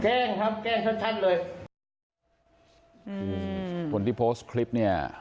แกล้งครับแกล้งสั้นชัดเลยอืมคนที่โพสต์คลิปเนี้ย